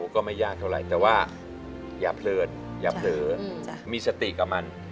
ก็ไม่ยากเท่าไหร่แต่ว่าอย่าเพลินอย่าเผลอมีสติกับมัน